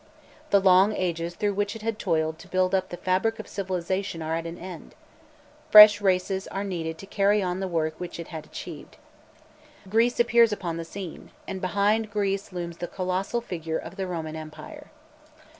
The long ages through which it had toiled to build up the fabric of civilisation are at an end; fresh races are needed to carry on the work which it had achieved. Greece appears upon the scene, and behind Greece looms the colossal figure of the Roman Empire.